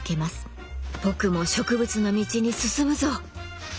僕も植物の道に進むぞ！